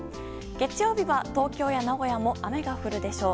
月曜日は、東京や名古屋も雨が降るでしょう。